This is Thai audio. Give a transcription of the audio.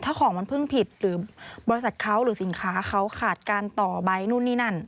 ถ้าของมันเพิ่งผิดหรือบริษัทเขาหรือสินค้าเขาขาดการต่อใบนู่นนี่นั่น